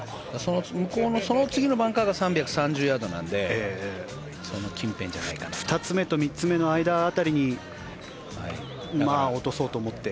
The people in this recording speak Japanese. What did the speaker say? その次のバンカーが３３０ヤードなので２つ目と３つ目の間辺りに落とそうと思って。